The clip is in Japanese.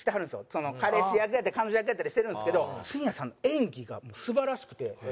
彼氏役やったり彼女役やったりしてるんですけど新谷さんの演技が素晴らしくて。